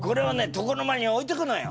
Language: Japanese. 床の間に置いとくのよ。